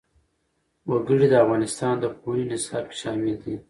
وګړي د افغانستان د پوهنې نصاب کې شامل دي.